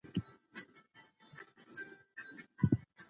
تجربه له تاوانونو څخه ترلاسه کېږي.